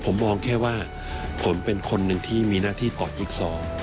ผมมองแค่ว่าผมเป็นคนหนึ่งที่มีหน้าที่ต่อจิ๊กซอ